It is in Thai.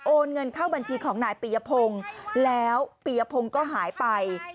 เงินเข้าบัญชีของนายปียพงศ์แล้วปียพงศ์ก็หายไป